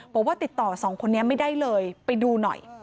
บอกว่าติดต่อสองคนนี้ไม่ได้เลยไปดูหน่อย